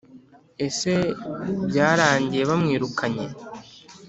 ese byarangiye bamwirukanye